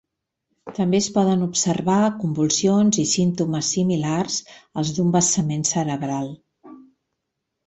També es poden observar convulsions i símptomes similars als d'un vessament cerebral.